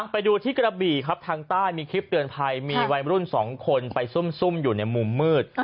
ไปดูที่กระบี่ครับทางใต้มีคลิปเตือนภัยมีวัยรุ่น๒คนไปซุ่มอยู่ในมุมมืด